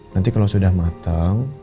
nanti kalau sudah mateng